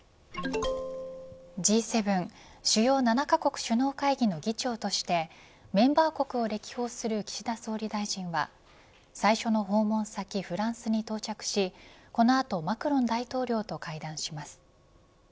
Ｇ７主要７カ国首脳会議の議長としてメンバー国を歴訪する岸田総理大臣は最初の訪問先、フランスに到着しこの後マクロン大統領と会談します。